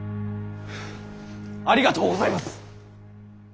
ありがとうございます！